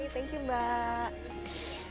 thank you mbak